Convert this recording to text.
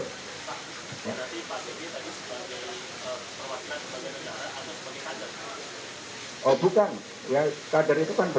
pak berarti pak dedy tadi sebagai pewakilan bangsa dan negara atau sebagai kader